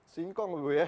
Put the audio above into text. singkong dulu ya